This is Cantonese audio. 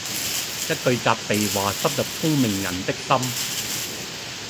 一句責備話深入聰明人的心